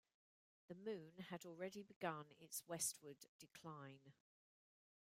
The moon had already begun its westward decline.